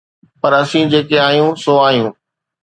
پر اسين جيڪي آهيون سو آهيون.